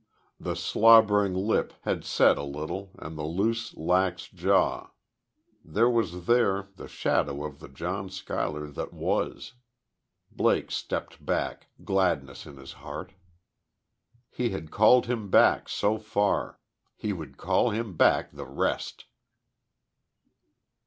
The slobbering lip had set a little and the loose, lax jaw.... There was there the shadow of the John Schuyler that was.... Blake stepped back, gladness in his heart. He had called him back so far. He would call him back the rest!